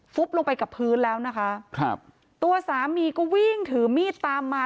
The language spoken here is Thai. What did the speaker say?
ลงไปกับพื้นแล้วนะคะครับตัวสามีก็วิ่งถือมีดตามมา